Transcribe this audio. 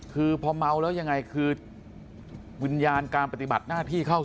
คือพอเมาแล้วยังไงคือวิญญาณการปฏิบัติหน้าที่เข้าสู่